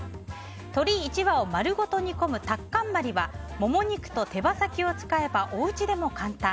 鶏１羽を丸ごと煮込むタッカンマリはモモ肉と手羽先を使えばおうちでも簡単。